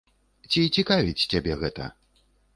Ці цікавіць цябе гэта?